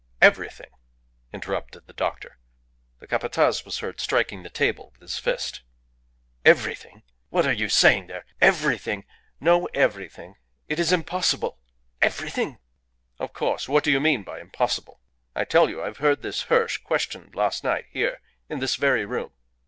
"Everything!" interrupted the doctor. The Capataz was heard striking the table with his fist. "Everything? What are you saying, there? Everything? Know everything? It is impossible! Everything?" "Of course. What do you mean by impossible? I tell you I have heard this Hirsch questioned last night, here, in this very room.